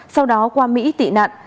sau đó qua mỹ tị nạn